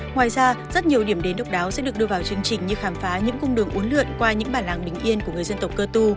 ngoài ra rất nhiều điểm đến độc đáo sẽ được đưa vào chương trình như khám phá những cung đường uốn lượn qua những bản làng bình yên của người dân tộc cơ tu